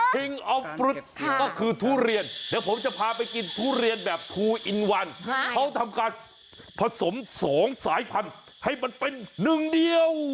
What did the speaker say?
ออฟฟรุดก็คือทุเรียนเดี๋ยวผมจะพาไปกินทุเรียนแบบภูอินวันเขาทำการผสม๒สายพันธุ์ให้มันเป็นหนึ่งเดียว